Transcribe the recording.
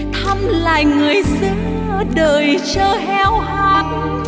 thăm lại người xưa đợi chờ héo hát